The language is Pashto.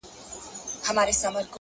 نن مي بيا يادېږي ورځ تېرېږي!!